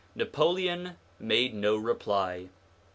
Napoleon made no reply.